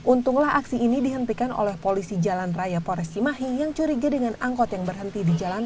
untunglah aksi ini dihentikan oleh polisi jalan raya pores cimahi yang curiga dengan angkot yang berhenti di jalan